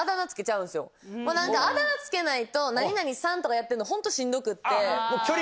あだ名付けないと何々さんとかやってんのホントしんどくって。